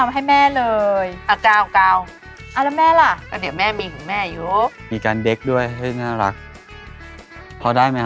นี่เอาไว้ให้เด็กสาวทานได้เลยค่ะตกไปไป